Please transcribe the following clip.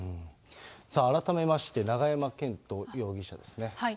さあ、改めまして、永山絢斗容疑者ですね。